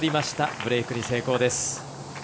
ブレークに成功です。